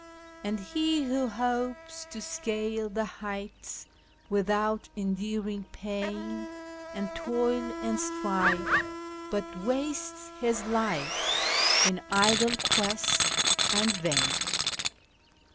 " And lie wlio hopes to scale the heights without enduring pain, And toil and strife, but wastes his life in idle cjuest and vain."